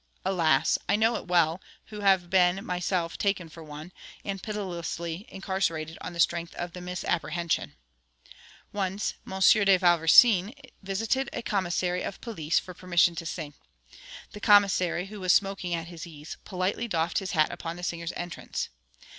Alas! I know it well, who have been myself taken for one, and pitilessly incarcerated on the strength of the misapprehension. Once, M. de Vauversin visited a commissary of police for permission to sing. The commissary, who was smoking at his ease, politely doffed his hat upon the singer's entrance.